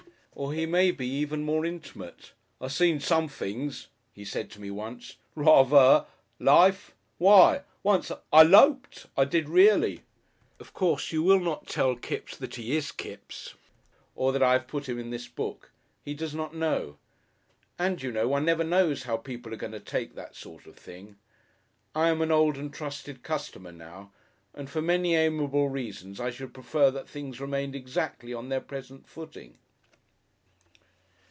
Or he may be even more intimate. "I seen some things," he said to me once. "Raver! Life! Why! once I I 'loped! I did reely!" (Of course you will not tell Kipps that he is "Kipps," or that I have put him in this book. He does not know. And you know, one never knows how people are going to take that sort of thing. I am an old and trusted customer now, and for many amiable reasons I should prefer that things remained exactly on their present footing.)